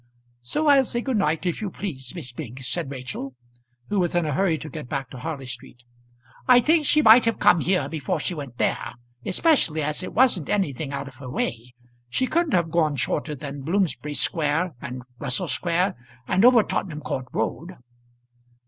"So I'll say good night if you please, Miss Biggs," said Rachel, who was in a hurry to get back to Harley Street. "I think she might have come here before she went there; especially as it wasn't anything out of her way. She couldn't have gone shorter than Bloomsbury Square, and Russell Square, and over Tottenham Court Road."